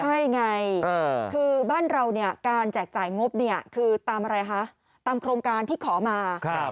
ใช่ไงคือบ้านเราเนี่ยการแจกจ่ายงบเนี่ยคือตามอะไรคะตามโครงการที่ขอมา